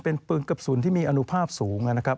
เป็นปืนกระสุนที่มีอนุภาพสูงนะครับ